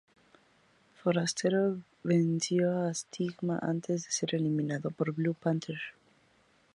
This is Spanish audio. Forastero venció a Stigma antes de ser eliminado por Blue Panther Jr.